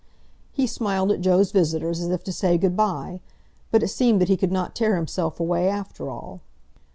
He smiled at Joe's visitors, as if to say good bye, but it seemed that he could not tear himself away after all.